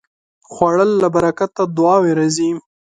خوړل له برکته دعاوې راځي